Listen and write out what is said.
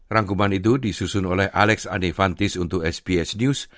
rangkuman itu disusun oleh alex anifantis untuk sbs news